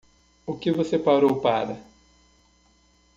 O que você parou para?